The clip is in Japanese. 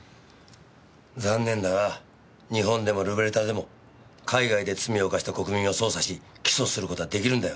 残念だが日本でもルベルタでも海外で罪を犯した国民を捜査し起訴する事は出来るんだよ。